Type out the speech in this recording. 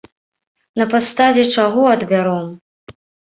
На падставе чаго адбяром?